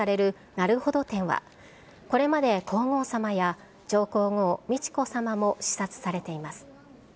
なるほど展は、これまで皇后さまや上皇后美智子さまも視察されています。